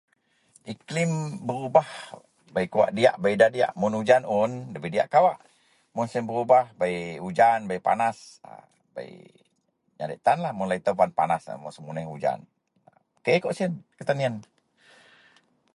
Iklim berubah, bei kawak diyak bei nda diyak. Mun ujan un ndabei diyak kawak. Mun siyen berubah bei ujan, bei panas a, bei nyadek tanlah. Mun lau itou bei panas, bei semuneh ujan, ok kawak siyen getan yen.